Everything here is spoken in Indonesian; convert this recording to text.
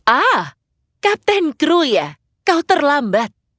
ah kapten kruya kau terlambat